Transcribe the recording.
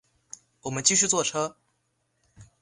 我们继续坐车